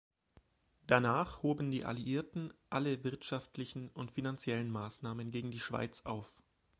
Danach hoben die Alliierten alle wirtschaftlichen und finanziellen Massnahmen gegen die Schweiz auf.